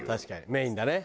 メインだね。